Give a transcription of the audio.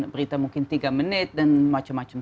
berita mungkin tiga menit dan macam macam